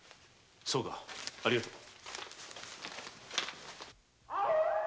そうかありがとう。